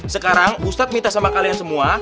sekarang ustadz minta sama kalian semua